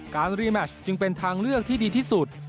รีแมชจึงเป็นทางเลือกที่ดีที่สุด